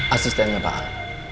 asistennya pak al